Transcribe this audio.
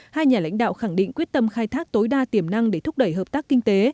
hai nhà lãnh đạo khẳng định quyết tâm khai thác tối đa tiềm năng để thúc đẩy hợp tác kinh tế